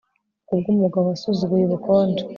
kubwumugabo wasuzuguye ubukonje